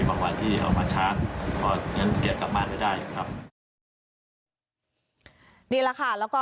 พอยังว่าเขากำลังเอาไปแบนเดือนน้อย